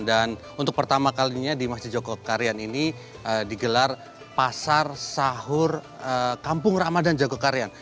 dan untuk pertama kalinya di masjid jogokarian ini digelar pasar sahur kampung ramadan jogokarian